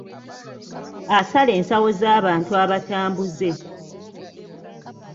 Asala ensawo z'abantu abatambuze.